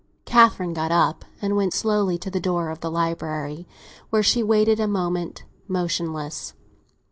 Catherine got up and went slowly to the door of the library, where she waited a moment, motionless.